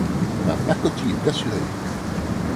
Ma pacotille est assurée!